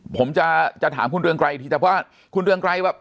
ผมจะถามคุณเรืองไกรอีกทีแต่ว่าคุณเรืองไกรแบบ